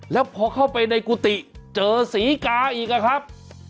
และพอเข้าไปในกูติเจอสีกะอีกอะครับ